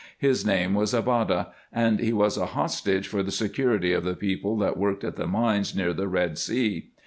His name was Abada ; and he was a hostage for the security of the people that worked at the mines near the Red Sea.